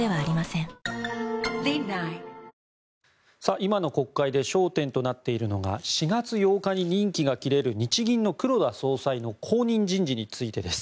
今の国会で焦点となっているのが４月８日に任期が切れる日銀の黒田総裁の後任人事についてです。